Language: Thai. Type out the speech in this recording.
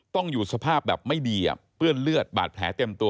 ต้องอยู่สภาพแบบไม่ดีเปื้อนเลือดบาดแผลเต็มตัว